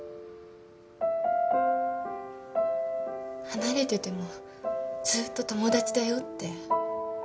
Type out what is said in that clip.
「離れててもずっと友達だよ」って。